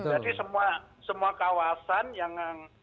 jadi semua kawasan yang